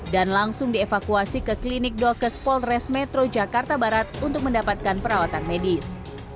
dan langsung dievakuasi ke klinik dokus polres metro jakarta barat untuk mendapatkan perawatan medis